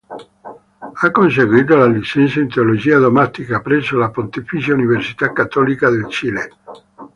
Ha conseguito la licenza in teologia dogmatica presso la Pontificia università cattolica del Cile.